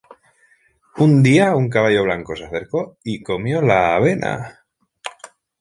Un día, un caballo blanco se acercó y comió la avena.